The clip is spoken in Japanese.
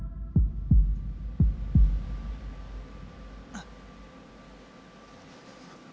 あっ。